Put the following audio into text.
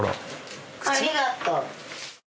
ありがとう。